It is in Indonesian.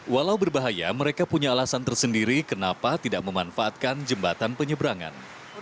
walau berbahaya mereka punya alasan tersendiri kenapa tidak memanfaatkan jembatan penyeberangan